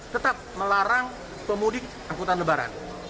tetap melarang pemudik angkutan lebaran